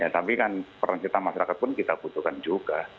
tapi kan peran kita masyarakat pun kita butuhkan juga